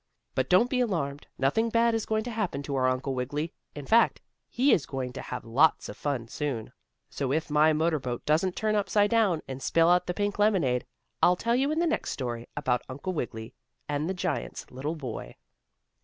But don't be alarmed. Nothing bad is going to happen to our Uncle Wiggily in fact he is going to have lots of fun soon. So if my motorboat doesn't turn upside down and spill out the pink lemonade, I'll tell you in the next story about Uncle Wiggily and the giant's little boy.